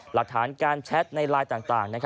หลักฐานการแชทในไลน์ต่าง